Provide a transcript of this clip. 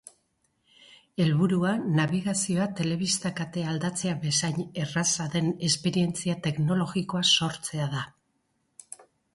Helburua nabigazioa telebista katea aldatzea bezain erraza den esperientzia teknologikoa sortzea da.